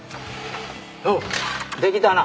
おうできたな。